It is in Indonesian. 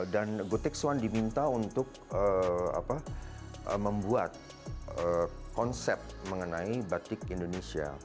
dan gotik swan diminta untuk membuat konsep mengenai batik indonesia